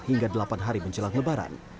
hingga delapan hari menjelang lebaran